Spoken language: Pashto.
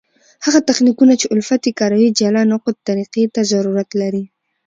هغه تخنیکونه، چي الفت ئې کاروي جلا نقد طریقي ته ضرورت لري.